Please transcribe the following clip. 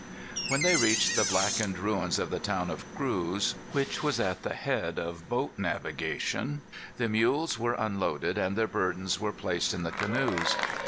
When they reached the blackened ruins of the town of Cruz, which was at the head of boat navigation, the mules were unloaded, and their burdens were placed in the canoes.